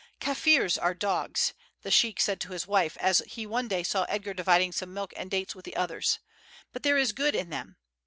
"Kaffirs are dogs," the sheik said to his wife as he one day saw Edgar dividing some milk and dates with the others; "but there is good in them.